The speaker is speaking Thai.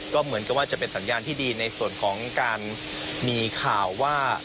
ก็เหมือนกับว่าจะเป็นสัญญาณที่ดีในส่วนของการมีข่าวว่า